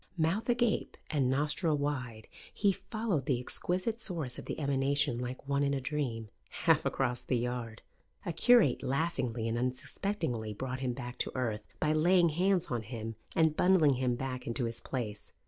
Mouth agape and nostril wide, he followed the exquisite source of the emanation like one in a dream, half across the yard. A curate laughingly and unsuspectingly brought him back to earth by laying hands on him and bundling him back into his place.